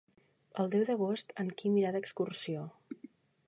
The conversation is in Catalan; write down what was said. El deu d'agost en Quim irà d'excursió.